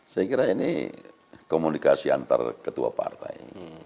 saya kira ini komunikasi antar ketua partai